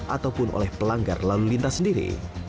ataupun oleh pelanggar lalu lintas sendiri